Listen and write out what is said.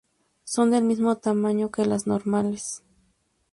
Son del mismo tamaño que las normales.